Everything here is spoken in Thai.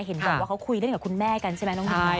เห็นบอกว่าเขาคุยเรื่องกับคุณแม่กันใช่ไหม